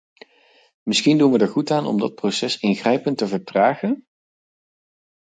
Misschien doen we er goed aan om dat proces ingrijpend te vertragen?